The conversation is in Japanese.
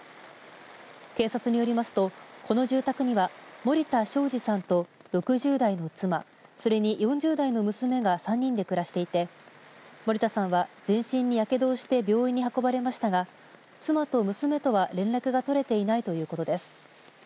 警察によりますと、この住宅には森田正二さんと６０代の妻それに４０代の娘が３人で暮らしていて森田さんは、全身にやけどをして病院に運ばれましたが妻と娘とは連絡が取れていないということです。